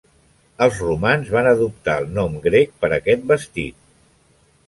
Els romans van adoptar el nom grec per aquest vestit.